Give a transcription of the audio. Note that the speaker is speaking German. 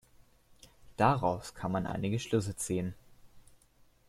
Daraus kann man einige Schlüsse ziehen.